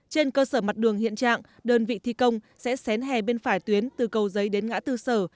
trên cơ sở mặt đường hiện trạng đơn vị thi công sẽ xén hè bên phải tuyến từ cầu giấy đến ngã tư sở